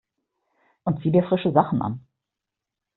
Und zieh dir frische Sachen an!